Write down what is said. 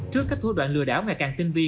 trước các thủ đoạn lừa đảo ngày càng tinh vi